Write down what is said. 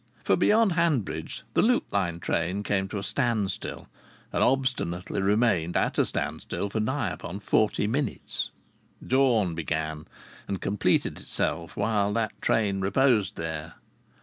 For, beyond Hanbridge, the Loop Line train came to a standstill, and obstinately remained at a standstill for near upon forty minutes. Dawn began and completed itself while that train reposed there.